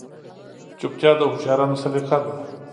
چوپتیا، د هوښیارانو سلیقه ده.